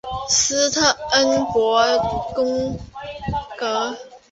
施特恩伯格宫。